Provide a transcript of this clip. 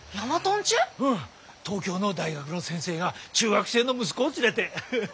東京の大学の先生が中学生の息子を連れて。